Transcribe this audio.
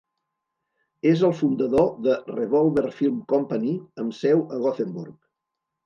És el fundador de Revolver Film Company, amb seu a Gothenburg.